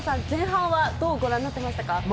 前半はどうご覧になっていましたか？